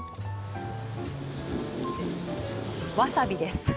わさびです。